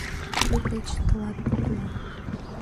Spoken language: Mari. Тудын деч тылат поклон».